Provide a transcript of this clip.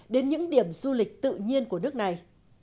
đến những điểm du lịch tự nhiên của nước này